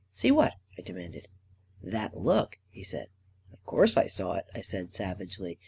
" See what? " I demanded. " That look," he said. " Of course I saw it," I said savagely.